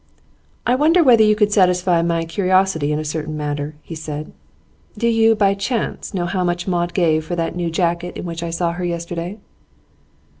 'I wonder whether you could satisfy my curiosity in a certain matter,' he said. 'Do you, by chance, know how much Maud gave for that new jacket in which I saw her yesterday?